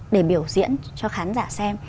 để biểu diễn cho khán giả xem